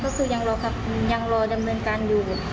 ก็คือยังรอดำเนินการหยุด